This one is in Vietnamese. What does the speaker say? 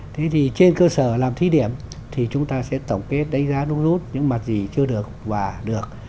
thế thì trên cơ sở làm thí điểm thì chúng ta sẽ tổng kết đánh giá đúng rút những mặt gì chưa được và được